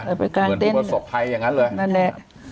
เหมือนพูดว่าศพไทยอย่างนั้นเลย